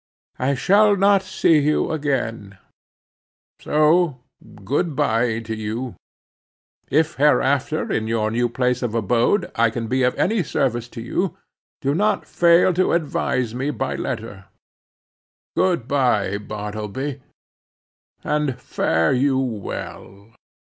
I shall not see you again; so good bye to you. If hereafter in your new place of abode I can be of any service to you, do not fail to advise me by letter. Good bye, Bartleby, and fare you well."